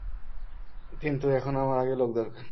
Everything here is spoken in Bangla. কিন্তু, এখন আমার আগে লোক দরকার।